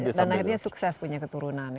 dan akhirnya sukses punya keturunan